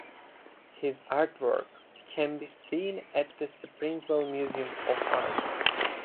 His artwork can be seen at the Springville Museum of Art.